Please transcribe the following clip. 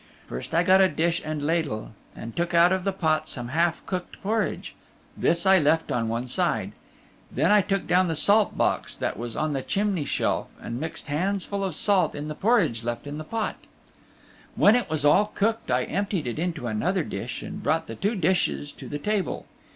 First, I got a dish and ladle and took out of the pot some half cooked porridge. This I left one side. Then I took down the salt box that was on the chimney shelf and mixed handfuls of salt in the porridge left in the pot. When it was all cooked I emptied it into another dish and brought the two dishes to the table.